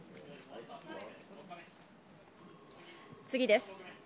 次です。